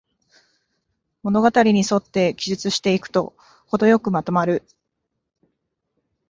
物語にそって記述していくと、ほどよくまとまる